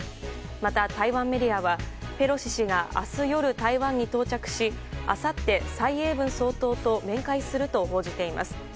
また台湾メディアはペロシ氏が明日夜、台湾に到着しあさって蔡英文総統と面会すると報じています。